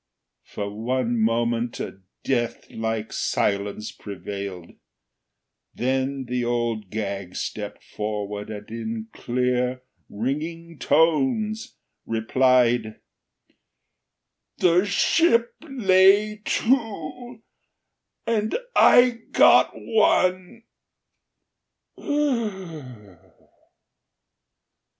For one moment a deathlike silence prevailed. Then the Old Gag stepped forward and in clear, ringing tones replied: "The ship lay to, and I got one."